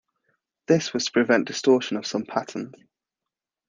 This was to prevent distortion of some patterns.